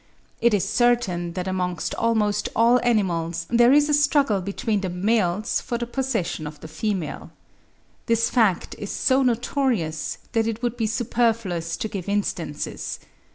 It is certain that amongst almost all animals there is a struggle between the males for the possession of the female. This fact is so notorious that it would be superfluous to give instances.